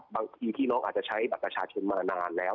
บางทีพี่น้องอาจจะใช้บัตรประชาชนมานานแล้ว